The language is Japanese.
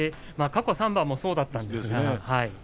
過去３番もそうだったんですけど。